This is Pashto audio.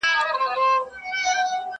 کرۍ ورځ یې وه پخوا اوږده مزلونه،